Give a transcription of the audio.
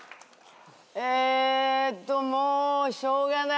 えっともうしょうがない。